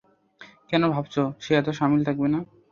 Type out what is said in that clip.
কেন ভাবছ সে এতে শামিল থাকবে না?